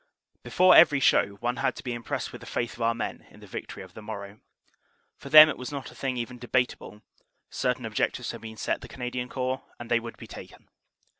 Before every show one had been impressed with the faith of our men in the victory of the morrow. For them it was not a thing even debatable; certain objectives had been set the Canadian Corps and they would be taken.